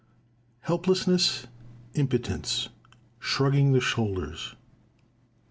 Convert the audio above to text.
Helplessness, Impotence: Shrugging the shoulders.